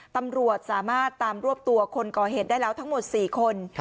ตำรวจสามารถตามรวบตัวคนก่อเหตุได้แล้วทั้งหมด๔คน